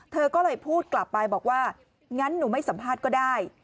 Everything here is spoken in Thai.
เธอก็เลยพูดกลับไปบอกว่างั้นหนูไม่สัมภาษณ์ก็ได้